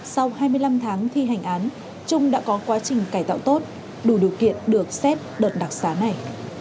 sau hai mươi năm tháng thi hành án trung đã có quá trình cải tạo tốt đủ điều kiện được xếp đợt đặc xá này